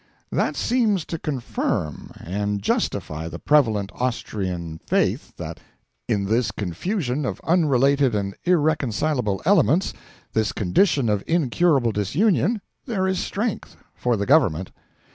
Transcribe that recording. That seems to confirm and justify the prevalent Austrian faith that in this confusion of unrelated and irreconcilable elements, this condition of incurable disunion, there is strength for the Government.